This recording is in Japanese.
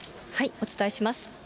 お伝えします。